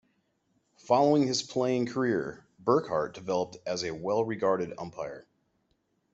Following his playing career, Burkhart developed as a well-regarded umpire.